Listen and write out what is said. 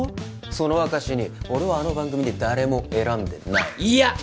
その証しに俺はあの番組で誰も選んでないいや！